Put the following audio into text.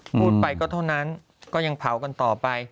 พูดไปก็เท่านั้นก็ยังเผากันต่อไป